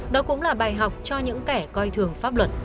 đó cũng là bài học cho những kẻ coi thường pháp luật